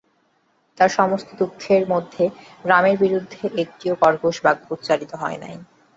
তাঁর সমস্ত দুঃখের মধ্যে রামের বিরুদ্ধে একটিও কর্কশ বাক্য উচ্চারিত হয় নাই।